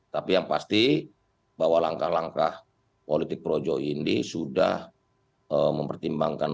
tapi yang pasti bahwa langkah langkah politik projo ini sudah mempertimbangkan